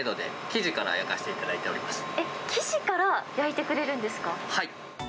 生地から焼いてくれるんですはい。